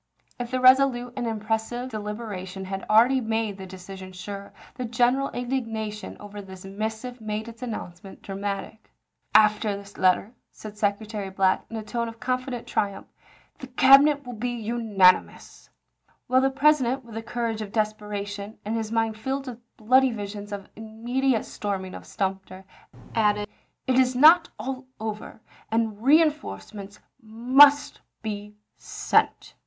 If the resolute and impressive delib eration had already made the decision sure, the general indignation over this missive made its announcement dramatic. " After this letter," said Secretary Black in a tone of confident triumph, " the Cabinet will be unanimous "; while the Pres Buchanan 7 to Thomp ident, with the courage of desperation, and his ^'^J mind filled with bloody visions of the immediate ^ituS? storming of Sumter, added, "It is now all over, TiTp'^!' and reinforcements must be sent."